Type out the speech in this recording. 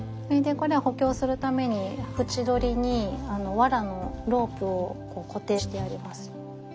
それでこれは補強するために縁取りにわらのロープを固定してあります。